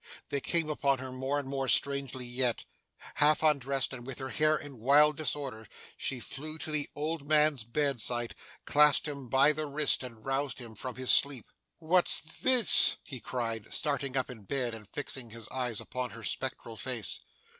They came upon her more and more strongly yet. Half undressed, and with her hair in wild disorder, she flew to the old man's bedside, clasped him by the wrist, and roused him from his sleep. 'What's this!' he cried, starting up in bed, and fixing his eyes upon her spectral face.